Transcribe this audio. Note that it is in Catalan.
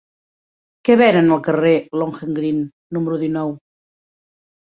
Què venen al carrer de Lohengrin número dinou?